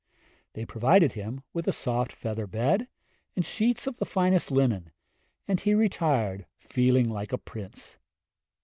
They provided him with a soft feather bed and sheets of the finest linen, and he retired, feeling like a prince.